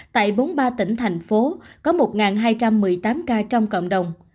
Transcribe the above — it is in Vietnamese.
tại bốn mươi ba tỉnh thành phố có một hai trăm một mươi tám ca trong cộng đồng